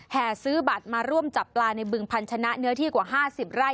ซื้อบัตรมาร่วมจับปลาในบึงพันธนะเนื้อที่กว่า๕๐ไร่